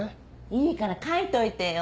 いいから書いといてよ